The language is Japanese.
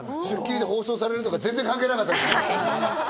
『スッキリ』で放送されるとか全然関係なかったね。